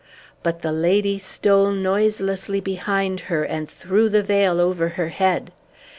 But the lady stole noiselessly behind her and threw the veil over her head.